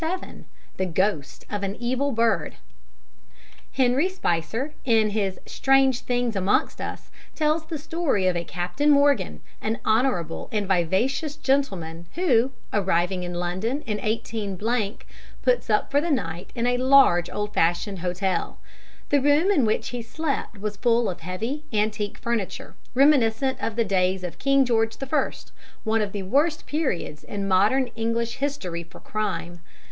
The Ghost of an Evil Bird Henry Spicer, in his Strange Things Amongst Us, tells the story of a Captain Morgan, an honourable and vivacious gentleman, who, arriving in London in 18 , puts up for the night in a large, old fashioned hotel. The room in which he slept was full of heavy, antique furniture, reminiscent of the days of King George I, one of the worst periods in modern English history for crime.